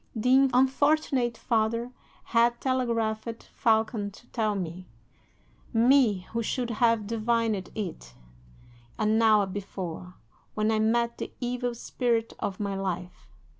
The unfortunate father had telegraphed Falcon to tell me me, who should have divined it an hour before, when I met the evil spirit of my life!